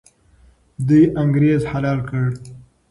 دوی انګریز حلال کړ.